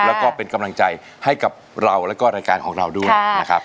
แล้วก็เป็นกำลังใจให้กับเราแล้วก็รายการของเราด้วยนะครับ